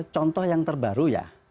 contoh yang terbaru ya